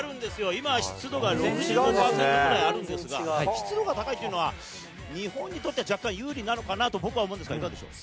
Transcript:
今、湿度が６５％ぐらいあるんですが、湿度が高いというのは、日本にとっては若干有利なのかなと僕は思うんですが、いかがでしょう？